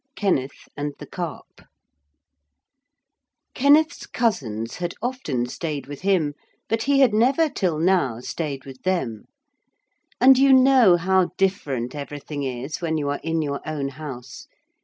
XI KENNETH AND THE CARP Kenneth's cousins had often stayed with him, but he had never till now stayed with them. And you know how different everything is when you are in your own house.